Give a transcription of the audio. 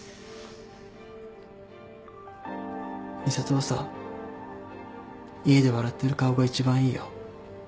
みさとはさ家で笑ってる顔が一番いいよ